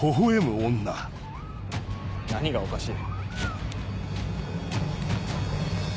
何がおかしい？